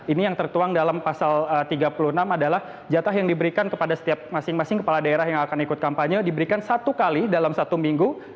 ini yang tertuang dalam pasal tiga puluh enam adalah jatah yang diberikan kepada setiap masing masing kepala daerah yang akan ikut kampanye diberikan satu kali dalam satu minggu